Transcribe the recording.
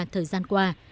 thời gian qua